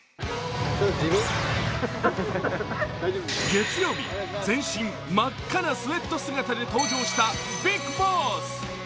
月曜日、全身真っ赤なスウェット姿で登場したビッグボス。